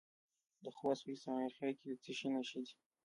د خوست په اسماعیل خیل کې د څه شي نښې دي؟